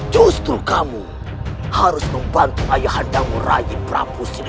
justru kamu harus membantu ayah anda meraih peramu siliwangi